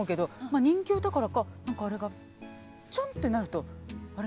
あ人形だからか何かあれがちょんってなると「あれ？